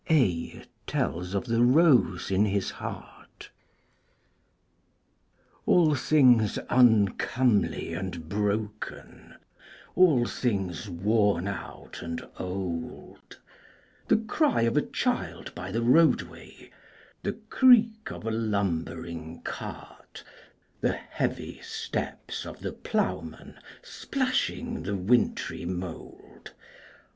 AEDH TELLS OF THE ROSE IN HIS HEART All things uncomely and broken, all things worn out and old, The cry of a child by the roadway, the creak of a lumbering cart, The heavy steps of the ploughman, splashing the wintry mould.